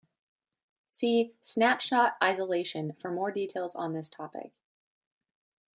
See "snapshot isolation" for more details on this topic.